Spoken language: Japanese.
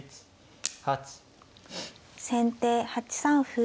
先手８三歩。